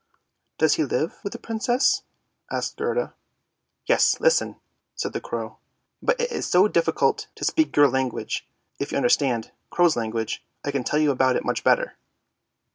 " Does he live with a Princess? " asked Gerda. ' Yes, listen," said the crow; " but it is so difficult to speak your language. If you understand ' crow's language,' 1 I can tell you about it much better."